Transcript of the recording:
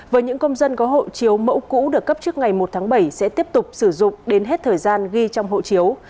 với những công dân có hộ chiếu mẫu cũ được cấp trước ngày một tháng bảy sẽ tiếp tục sử dụng đến hết thời gian ghi trong hộ chiếu